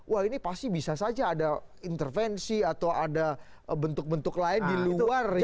wah ini pasti bisa saja ada intervensi atau ada bentuk bentuk lain di luar